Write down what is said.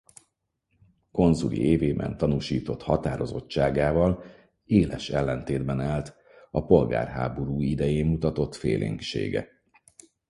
Consuli évében tanúsított határozottságával éles ellentétben állt a polgárháború idején mutatott félénksége.